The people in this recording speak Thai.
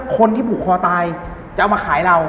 คนที่ผูกคอตายจะเอามาขายเรา